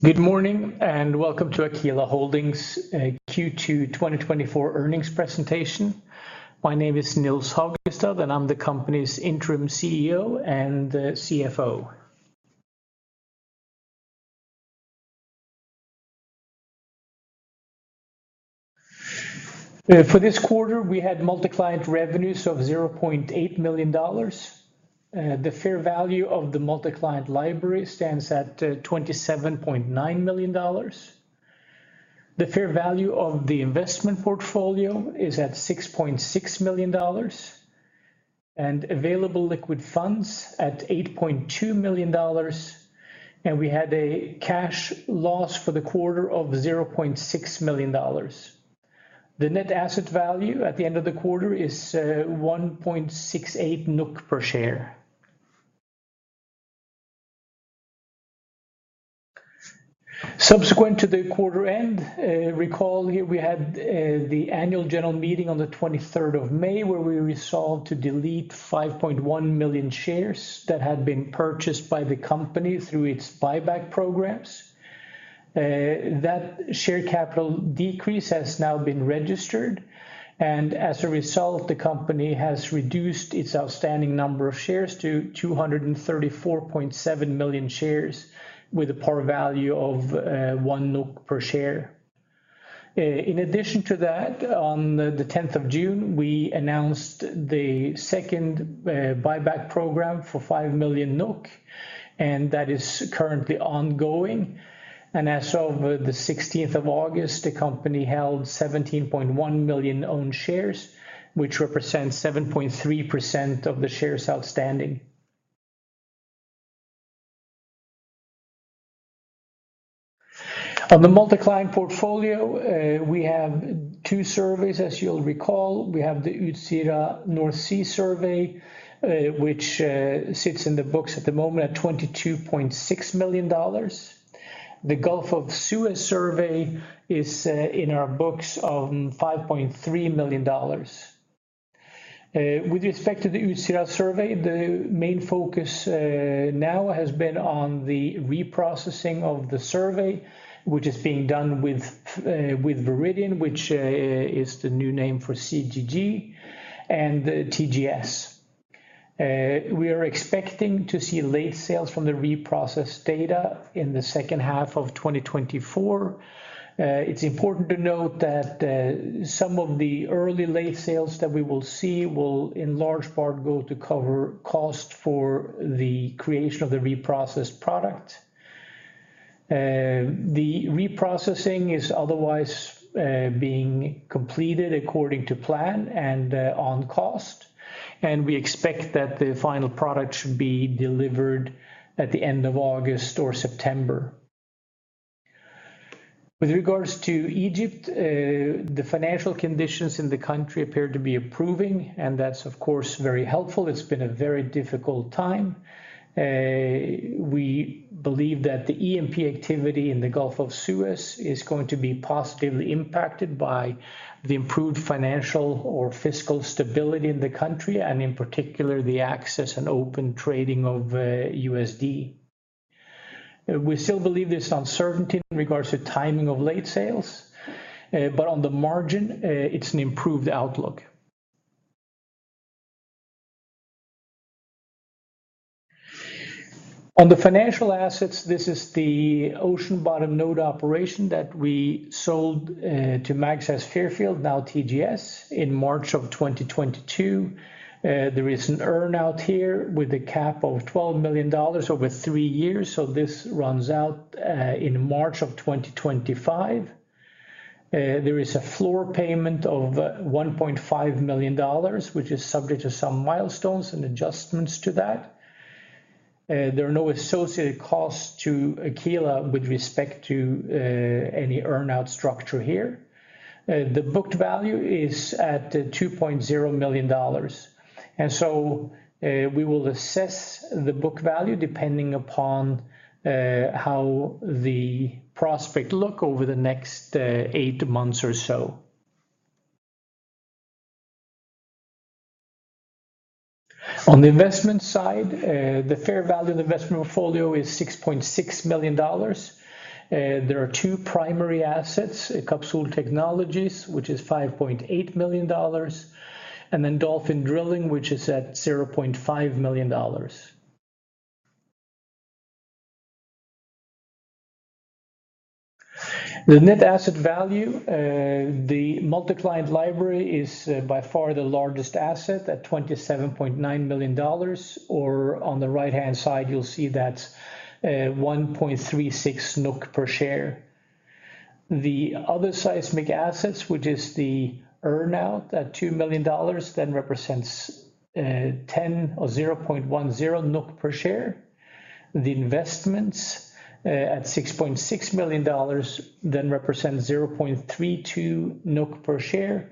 Good morning, and welcome to Aquila Holdings Q2 2024 earnings presentation. My name is Nils Hagestad, and I'm the company's interim CEO and the CFO. For this quarter, we had multi-client revenues of $0.8 million. The fair value of the multi-client library stands at $27.9 million. The fair value of the investment portfolio is at $6.6 million, and available liquid funds at $8.2 million, and we had a cash loss for the quarter of $0.6 million. The net asset value at the end of the quarter is 1.68 NOK per share. Subsequent to the quarter end, recall here we had the annual general meeting on the twenty-third of May, where we resolved to delete 5.1 million shares that had been purchased by the company through its buyback programs. That share capital decrease has now been registered, and as a result, the company has reduced its outstanding number of shares to 234.7 million shares with a par value of 1 NOK per share. In addition to that, on the tenth of June, we announced the second buyback program for 5 million NOK, and that is currently ongoing, and as of the sixteenth of August, the company held 17.1 million own shares, which represents 7.3% of the shares outstanding. On the multi-client portfolio, we have two surveys, as you'll recall. We have the Utsira North Sea survey, which sits in the books at the moment at $22.6 million. The Gulf of Suez survey is in our books at $5.3 million. With respect to the Utsira survey, the main focus now has been on the reprocessing of the survey, which is being done with Viridien, which is the new name for CGG and TGS. We are expecting to see late sales from the reprocessed data in the second half of 2024. It's important to note that some of the early late sales that we will see will, in large part, go to cover cost for the creation of the reprocessed product. The reprocessing is otherwise being completed according to plan and on cost, and we expect that the final product should be delivered at the end of August or September. With regards to Egypt, the financial conditions in the country appear to be improving, and that's, of course, very helpful. It's been a very difficult time. We believe that the E&P activity in the Gulf of Suez is going to be positively impacted by the improved financial or fiscal stability in the country, and in particular, the access and open trading of USD. We still believe there's uncertainty in regards to timing of late sales, but on the margin, it's an improved outlook. On the financial assets, this is the ocean bottom node operation that we sold to Magseis Fairfield, now TGS, in March of 2022. There is an earn-out here with a cap of $12 million over three years, so this runs out in March of 2025. There is a floor payment of $1.5 million, which is subject to some milestones and adjustments to that. There are no associated costs to Aquila with respect to any earn-out structure here. The booked value is at $2.0 million, and so we will assess the book value depending upon how the prospect look over the next eight months or so. On the investment side, the fair value of the investment portfolio is $6.6 million. There are two primary assets, Capsol Technologies, which is $5.8 million, and then Dolphin Drilling, which is at $0.5 million. The net asset value, the multi-client library is by far the largest asset at $27.9 million, or on the right-hand side, you'll see that, 1.36 NOK per share. The other seismic assets, which is the earn-out at $2 million, then represents, 0.10 NOK per share. The investments at $6.6 million, then represent 0.32 NOK per share,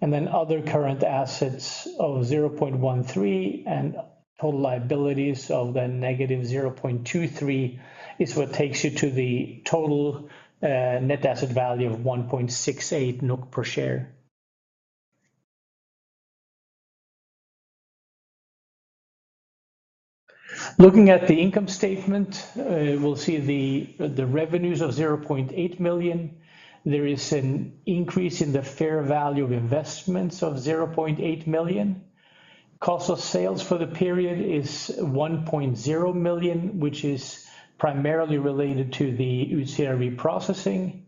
and then other current assets of 0.13 and total liabilities of -0.23 is what takes you to the total, net asset value of 1.68 NOK per share. Looking at the income statement, we'll see the revenues of 0.8 million NOK. There is an increase in the fair value of investments of $0.8 million. Cost of sales for the period is 1.0 million, which is primarily related to the Utsira reprocessing.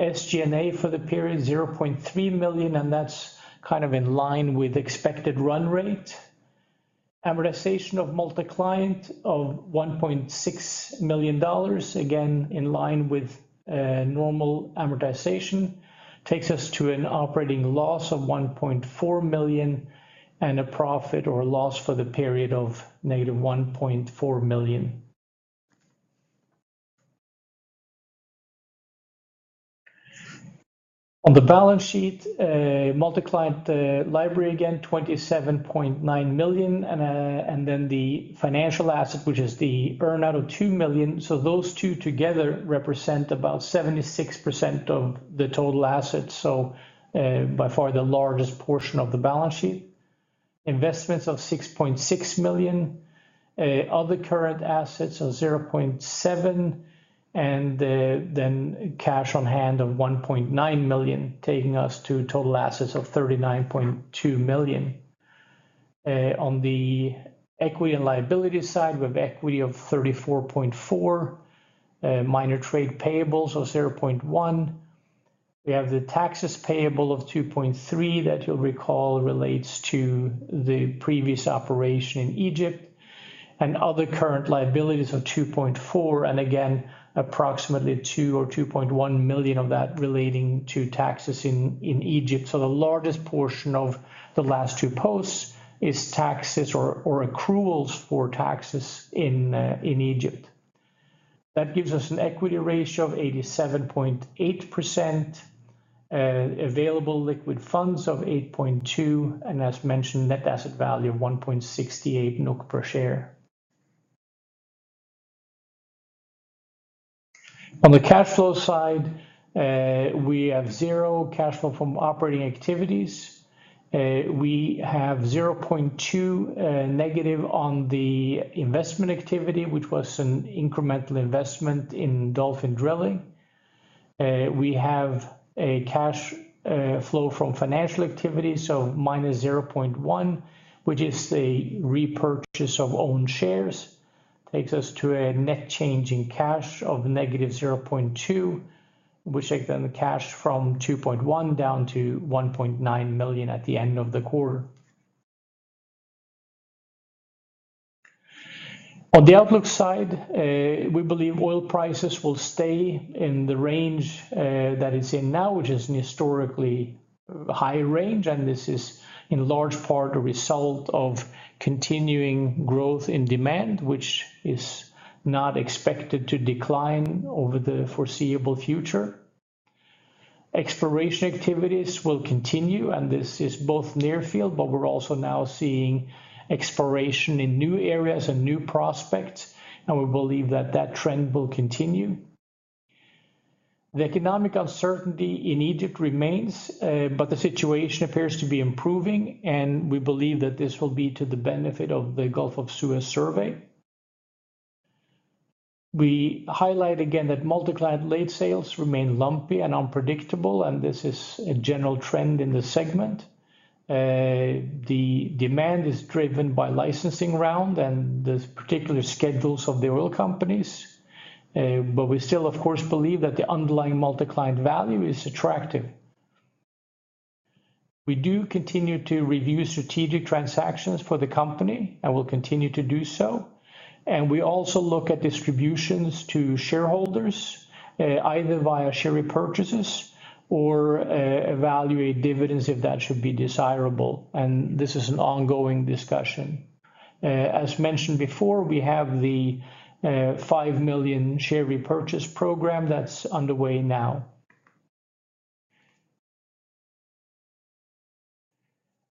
SG&A for the period, 0.3 million, and that's kind of in line with expected run rate. Amortization of multi-client of $1.6 million, again, in line with normal amortization, takes us to an operating loss of 1.4 million and a profit or loss for the period of negative 1.4 million. On the balance sheet, multi-client library, again, 27.9 million, and then the financial asset, which is the earn-out of 2 million. So those two together represent about 76% of the total assets, so, by far the largest portion of the balance sheet. Investments of 6.6 million, other current assets of 0.7, and then cash on hand of 1.9 million, taking us to total assets of 39.2 million. On the equity and liability side, we have equity of 34.4, minor trade payables of 0.1. We have the taxes payable of 2.3, that you'll recall, relates to the previous operation in Egypt, and other current liabilities of 2.4, and again, approximately 2 or 2.1 million of that relating to taxes in Egypt. So the largest portion of the last two posts is taxes or accruals for taxes in Egypt. That gives us an equity ratio of 87.8%, available liquid funds of 8.2, and as mentioned, net asset value of 1.68 NOK per share. On the cash flow side, we have zero cash flow from operating activities. We have -0.2 on the investment activity, which was an incremental investment in Dolphin Drilling. We have a cash flow from financial activity, so -0.1, which is a repurchase of own shares, takes us to a net change in cash of -0.2, which take down the cash from 2.1 down to 1.9 million at the end of the quarter. On the outlook side, we believe oil prices will stay in the range that it's in now, which is an historically high range, and this is in large part a result of continuing growth in demand, which is not expected to decline over the foreseeable future. Exploration activities will continue, and this is both near field, but we're also now seeing exploration in new areas and new prospects, and we believe that that trend will continue. The economic uncertainty in Egypt remains, but the situation appears to be improving, and we believe that this will be to the benefit of the Gulf of Suez survey. We highlight again that multi-client late sales remain lumpy and unpredictable, and this is a general trend in the segment. The demand is driven by licensing round and the particular schedules of the oil companies, but we still, of course, believe that the underlying multi-client value is attractive. We do continue to review strategic transactions for the company, and we'll continue to do so, and we also look at distributions to shareholders, either via share repurchases or evaluate dividends, if that should be desirable, and this is an ongoing discussion. As mentioned before, we have the five million share repurchase program that's underway now.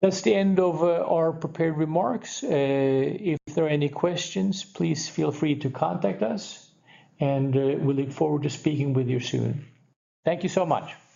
That's the end of our prepared remarks. If there are any questions, please feel free to contact us, and we look forward to speaking with you soon. Thank you so much.